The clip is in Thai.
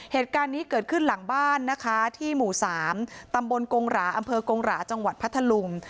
เหตุการณ์นี้เกิดขึ้นหลังบ้านนะคะที่หมู่๓ตำบลกงหราอำเภอกงหราจังหวัดพัทธลุง